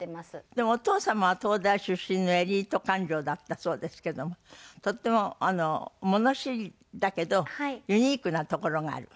でもお父様は東大出身のエリート官僚だったそうですけどもとても物知りだけどユニークなところがある？